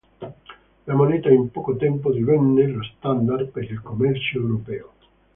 La moneta in poco tempo divenne lo standard per il commercio europeo.